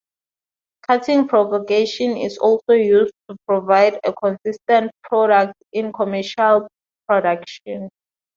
Cutting propagation is also used to provide a consistent product in commercial production.